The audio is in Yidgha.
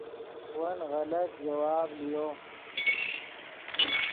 ون غلط جواب لیو